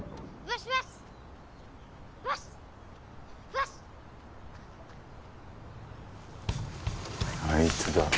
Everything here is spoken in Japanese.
あいつだ。